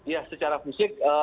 ya secara fisik